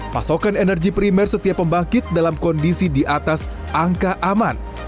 pasokan energi primer setiap pembangkit dalam kondisi di atas angka aman